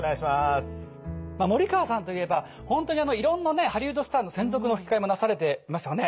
まあ森川さんといえば本当にいろんなねハリウッドスターの専属の吹き替えもなされていますよね？